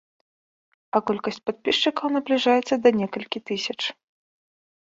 А колькасць падпісчыкаў набліжаецца да некалькі тысяч.